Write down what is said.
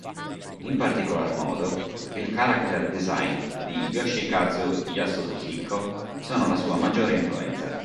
In particolar modo, il character design di Yoshikazu Yasuhiko sono la sua maggiore influenza.